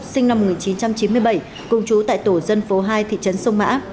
sinh năm một nghìn chín trăm chín mươi bảy cùng chú tại tổ dân phố hai thị trấn sông mã